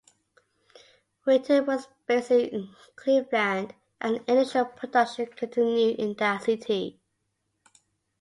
Winton was based in Cleveland, and initial production continued in that city.